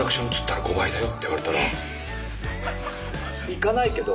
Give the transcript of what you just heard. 行かないけど。